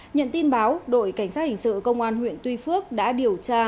nhận tin báo đội cảnh sát hình sự công an huyện tuy phước đã điều tra